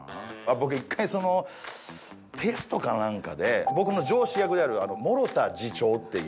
僕一回テストか何かで僕の上司役である諸田次長っていう。